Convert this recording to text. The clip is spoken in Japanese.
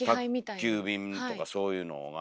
宅急便とかそういうのが。